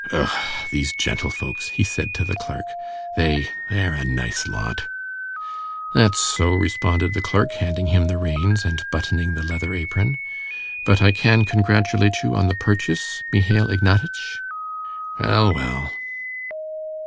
"Ugh, these gentlefolks!" he said to the clerk. "They—they're a nice lot!" "That's so," responded the clerk, handing him the reins and buttoning the leather apron. "But I can congratulate you on the purchase, Mihail Ignatitch?" "Well, well...."